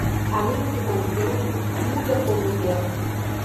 Amigo de bom tempo muda com o vento.